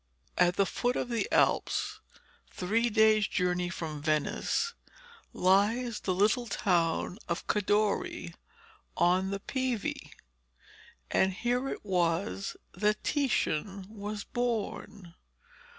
At the foot of the Alps, three days' journey from Venice, lies the little town of Cadore on the Pieve, and here it was that Titian was born.